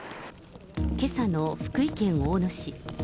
けさの福井県大野市。